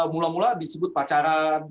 mula mula disebut pacaran